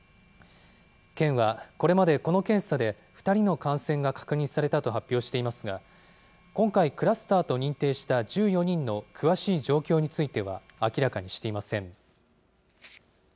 県はこれまでこの検査で２人の感染が確認されたと発表していますが、今回、クラスターと認定した１４人の詳しい状況については明らかにしていません。